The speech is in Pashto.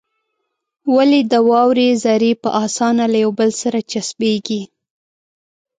ولې د واورې ذرې په اسانه له يو بل سره چسپېږي؟